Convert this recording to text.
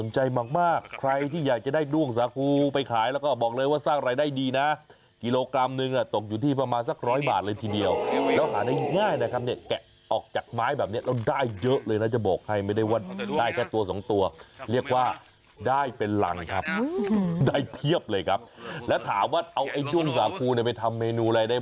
ใจมากมากใครที่อยากจะได้ด้วงสาคูไปขายแล้วก็บอกเลยว่าสร้างรายได้ดีนะกิโลกรัมนึงตกอยู่ที่ประมาณสักร้อยบาทเลยทีเดียวแล้วหาได้ง่ายนะครับเนี่ยแกะออกจากไม้แบบนี้แล้วได้เยอะเลยนะจะบอกให้ไม่ได้ว่าได้แค่ตัวสองตัวเรียกว่าได้เป็นรังครับได้เพียบเลยครับแล้วถามว่าเอาไอ้ด้วงสาคูเนี่ยไปทำเมนูอะไรได้